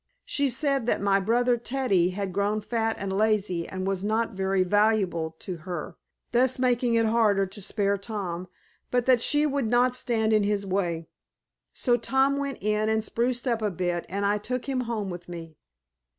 She said that my brother Teddy had grown fat and lazy and was not very valuable to her, thus making it harder to spare Tom, but that she would not stand in his way. So Tom went in and spruced up a bit and I took him home with me.